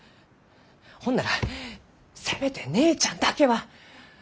ほんならせめて姉ちゃんだけは。